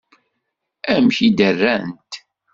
Amek i d-rrant?